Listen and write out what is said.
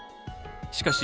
しかし、